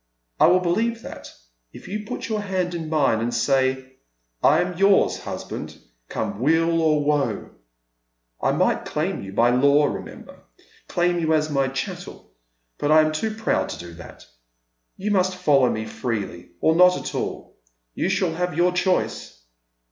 " I will believe that if you put your hand in mine and say, * I am yours, husband, come weal or woe.' I might claim you by law, remember — claim you as my chattel. But I am too proud to do that. You must follow me freely or not at all. You shall have your choice."